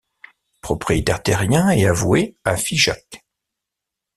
Propriétaire terrien et avoué à Figeac.